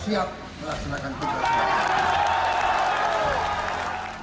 saya siap melaksanakan kutuban